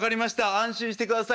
安心してください。